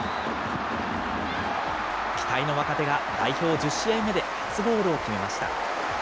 期待の若手が代表１０試合目で初ゴールを決めました。